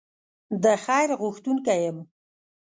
د خیر غوښتونکی یم.